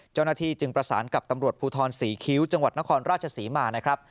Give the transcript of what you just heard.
เจ้าหน้าที่จึงประสานกับตำรวจภูทรศรีคิ้วจังหวัดนครราชศรีมานะครับ